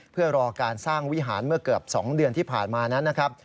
เพื่อรอการสร้างวิหารเมื่อเกือบ๒เดือนที่ผ่านมานั้นนะครับ